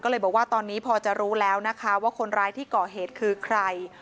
ก็เลยบอกว่าตอนนี้พอจะรู้แล้วนะคะว่าคนร้ายที่ก่อเหตุคือใคร